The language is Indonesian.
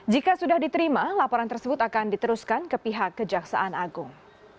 jika sudah diterima laporan tersebut akan diteruskan ke pihak kejaksaan agung